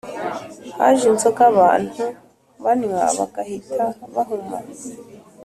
Haje inzoga abantu banywa bagahita bahuma